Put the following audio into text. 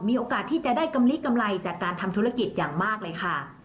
มีโอกาสที่จะได้กำลิกำไรจากการทำธุรกิจอย่างมากเลยค่ะ